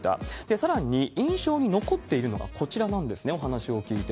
さらに印象に残っているのがこちらなんですね、お話を聞いて。